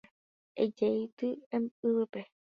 Ejeity yvýpe.